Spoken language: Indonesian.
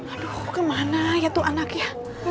aduh kok kemana ya tuh anaknya